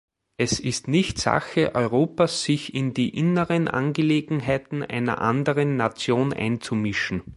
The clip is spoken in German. Es ist nicht Sache Europas, sich in die inneren Angelegenheiten einer anderen Nation einzumischen.